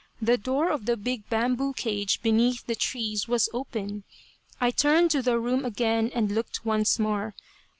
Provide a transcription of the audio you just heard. The door of the big bamboo cage beneath the trees was open. I turned to the room again and looked once more.